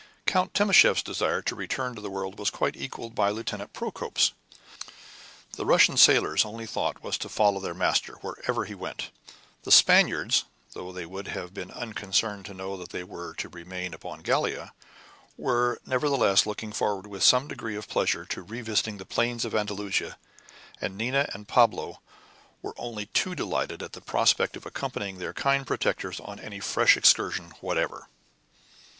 Count Timascheff's desire to return to the world was quite equaled by Lieutenant Procope's. The Russian sailors' only thought was to follow their master, wherever he went. The Spaniards, though they would have been unconcerned to know that they were to remain upon Gallia, were nevertheless looking forward with some degree of pleasure to revisiting the plains of Andalusia; and Nina and Pablo were only too delighted at the prospect of accompanying their kind protectors on any fresh excursion whatever.